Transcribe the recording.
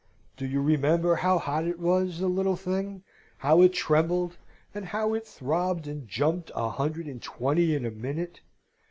Do you remember how hot it was, the little thing, how it trembled, and how it throbbed and jumped a hundred and twenty in a minute?